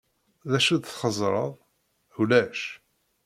D acu d-txeẓẓreḍ? Ulac.